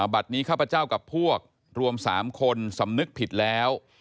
บัตรนี้ข้าพเจ้ากับพวกรวม๓คนสำนึกผิดแล้ว